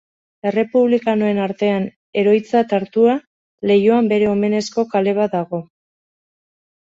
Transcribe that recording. Errepublikanoen artean heroitzat hartua, Leioan bere omenezko kale bat dago.